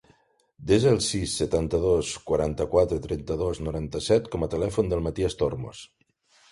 Desa el sis, setanta-dos, quaranta-quatre, trenta-dos, noranta-set com a telèfon del Matías Tormos.